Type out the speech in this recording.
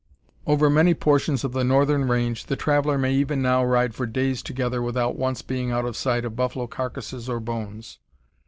] Over many portions of the northern range the traveler may even now ride for days together without once being out of sight of buffalo carcasses, or bones.